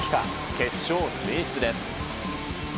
決勝進出です。